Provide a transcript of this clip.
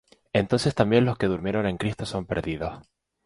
Entonces también los que durmieron en Cristo son perdidos.